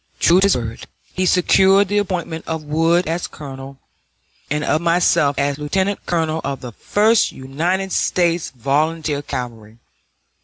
True to his word, he secured the appointment of Wood as colonel and of myself as lieutenant colonel of the First United States Volunteer Cavalry.